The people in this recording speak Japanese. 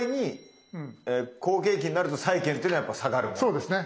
そうですね。